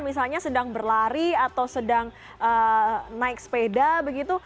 misalnya sedang berlari atau sedang naik sepeda begitu